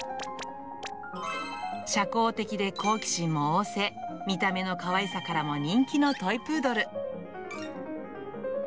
社交的で好奇心も旺盛、見た目のかわいさからも人気のトイプードル。